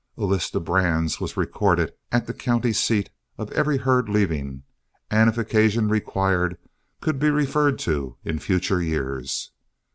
A list of brands was recorded, at the county seat, of every herd leaving, and if occasion required could be referred to in future years.